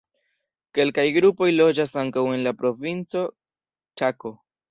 Kelkaj grupoj loĝas ankaŭ en la provinco Ĉako.